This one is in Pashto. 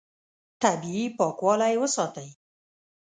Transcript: طبیعي پاکوالی وساتئ.